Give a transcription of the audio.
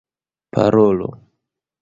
parolo